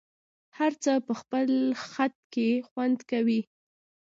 هر څه په خپل خد کي خوند کوي